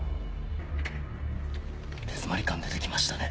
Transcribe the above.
手詰まり感出て来ましたね。